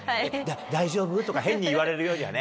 「大丈夫？」とか変に言われるよりはね。